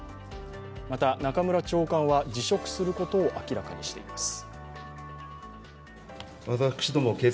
また中村長官は辞職することを明らかにしています。